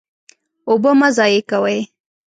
اوبه مه ضایع کوئ.